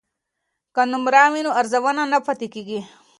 که نمره وي نو ارزونه نه پاتې کیږي.